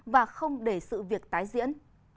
và không để sự việc tái diễn